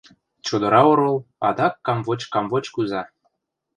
Чодыра орол адак камвоч-камвоч кӱза.